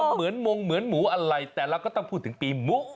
เหมือนมงเหมือนหมูอะไรแต่เราก็ต้องพูดถึงปีหมู